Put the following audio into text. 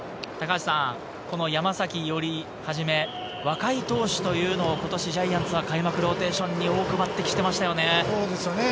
この山崎伊織はじめ、若い投手というのを今年ジャイアンツは開幕ローテーションに多く抜てきしてましたね。